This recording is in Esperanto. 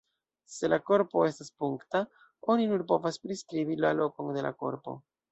Se la korpo estas punkta, oni nur povas priskribi la lokon de la korpo.